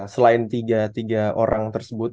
selain tiga tiga orang tersebut